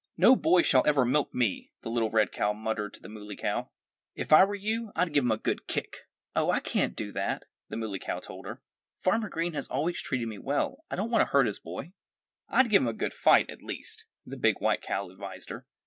"No boy shall ever milk me!" the little red cow muttered to the Muley Cow. "If I were you I'd give him a good kick." "Oh! I can't do that," the Muley Cow told her. "Farmer Green has always treated me well. I don't want to hurt his boy." "I'd give him a good fright, at least," the big white cow advised her.